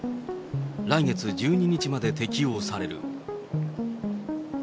来月１２日まで適用される。